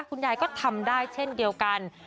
คุณยายก็ทำได้เช่นเดียวกัน